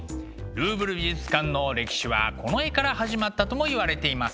ルーブル美術館の歴史はこの絵から始まったともいわれています。